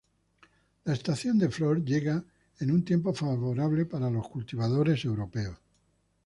La estación de flor llega en un tiempo favorable para los cultivadores europeos.